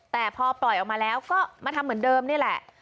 แต่พอปล่อยออกมาแล้วก็มาทำเหมือนเดิมนี่แหละ